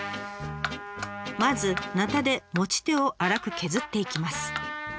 まずナタで持ち手を粗く削っていきます。